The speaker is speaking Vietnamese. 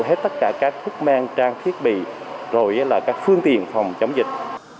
hết tất cả các khúc men trang thiết bị các phương tiện phòng chống dịch